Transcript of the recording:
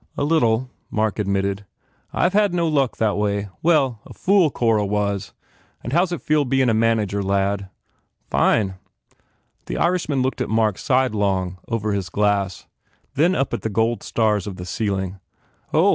"A little," Mark admitted. "I ve had no luck that way. Well, a fool Cora was. And how s it feel bein a manager, lad?" "Fine." The Irishman looked at Mark sidelong over his 68 FULL BLOOM glass, then up at the gold stars of the ceiling. "Ho!